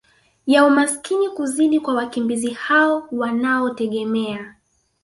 ya umaskini kuzidi kwa wakimbizi hao wanaotegemea